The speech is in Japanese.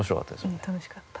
うん楽しかった。